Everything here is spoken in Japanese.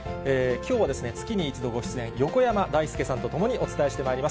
きょうは月に１度ご出演、横山だいすけさんとともにお伝えしてまいります。